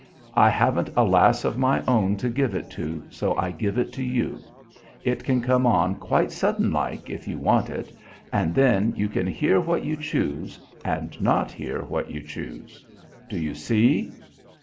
I haven't a lass of my own to give it to, so I give it to you. It can come on quite sudden like, if you want it, and then you can hear what you choose and not hear what you choose. Do you see?"